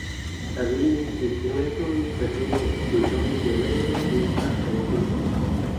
Erienne is eventually persuaded to join the Raven despite her grief.